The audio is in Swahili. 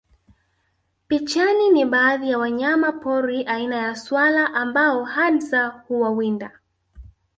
Pichani ni baadhi ya wanyama pori aina ya swala ambao Hadza huwawinda